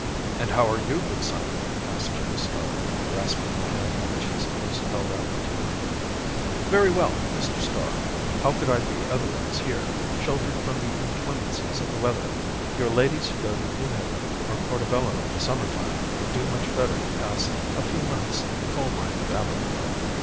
"And how are you, good Simon?" asked James Starr, grasping the hand which his host held out to him. "Very well, Mr. Starr. How could I be otherwise here, sheltered from the inclemencies of the weather? Your ladies who go to Newhaven or Portobello in the summer time would do much better to pass a few months in the coal mine of Aberfoyle!